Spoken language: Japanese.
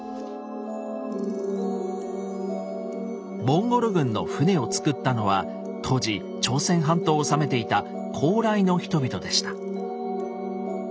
モンゴル軍の船を造ったのは当時朝鮮半島を治めていた高麗の人々でした。